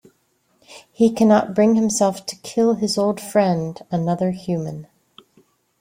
He cannot bring himself to kill his old friend, another human.